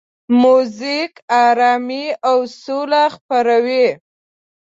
موزیک آرامي او سوله خپروي.